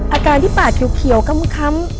อาการที่ปากเขียวค้ำ